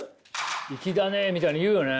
「いきだねえ」みたいに言うよね。